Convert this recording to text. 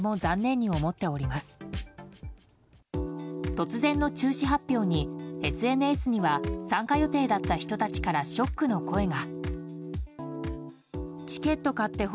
突然の中止発表に、ＳＮＳには参加予定だった人たちからショックの声が。